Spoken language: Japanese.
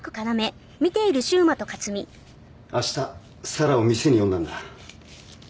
明日沙羅を店に呼んだんだ。